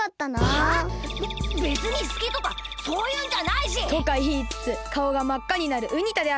べべつにすきとかそういうんじゃないし！とかいいつつかおがまっかになるウニ太であった。